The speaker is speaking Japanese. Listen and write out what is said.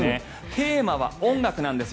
テーマは音楽です。